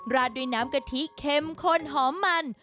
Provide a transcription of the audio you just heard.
ราดด้วยน้ำกะทิเข้มข้นหอมมัน